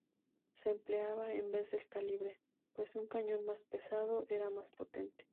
Se empleaba en vez del calibre, pues un cañón más pesado era más potente.